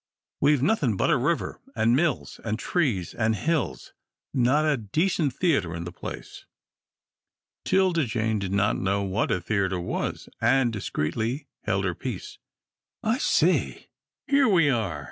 We've nothing but a river, and mills, and trees, and hills not a decent theatre in the place." 'Tilda Jane did not know what a theatre was, and discreetly held her peace. "I say here we are!"